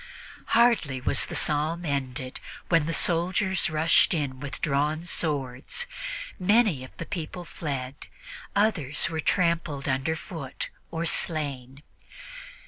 Hardly was the Psalm ended when the soldiers rushed in with drawn swords. Many of the people fled; others were trampled underfoot or slain.